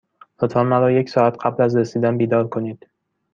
لطفا مرا یک ساعت قبل از رسیدن بیدار کنید.